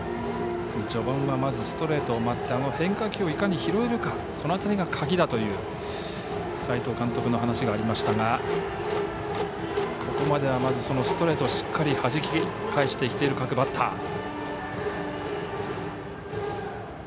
序盤は、まずストレートを待って変化球をいかに拾えるかその辺りが鍵だという斎藤監督の話がありましたがここまではまずそのストレートをしっかりはじき返してきている各バッター。